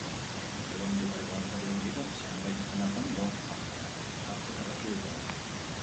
Figurante ugari boluntarioak dira, zenbait eszenatan doan parte hartzea erabaki dutenak.